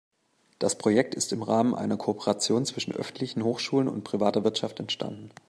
Das Projekt ist im Rahmen einer Kooperation zwischen öffentlichen Hochschulen und privater Wirtschaft entstanden.